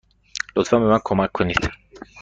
لطفا به من کمک کنید.